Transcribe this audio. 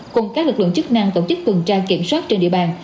cùng các lực lượng chức năng tổ chức tuần tra kiểm soát trên địa bàn